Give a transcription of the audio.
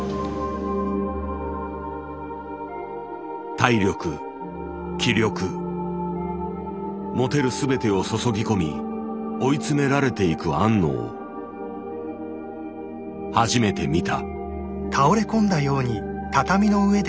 体力気力持てる全てを注ぎ込み追い詰められていく庵野を初めて見た。